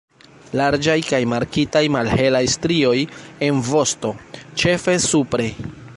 Larĝaj kaj markitaj malhelaj strioj en vosto, ĉefe supre.